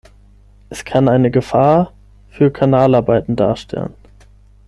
Es kann eine Gefahr für Kanalarbeiten darstellen.